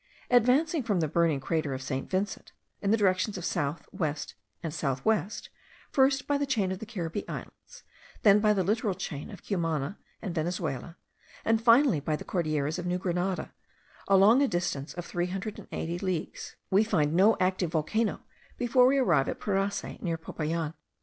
Advancing from the burning crater of St. Vincent in the directions of south, west and south west, first by the chain of the Caribbee Islands, then by the littoral chain of Cumana and Venezuela, and finally by the Cordilleras of New Grenada, along a distance of three hundred and eighty leagues, we find no active volcano before we arrive at Purace, near Popayan.